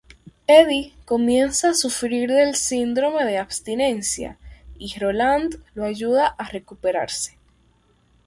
Eddie comienza a sufrir del síndrome de abstinencia y Roland lo ayuda a recuperarse.